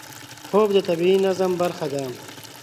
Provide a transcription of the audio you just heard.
خوب د طبیعي نظم برخه ده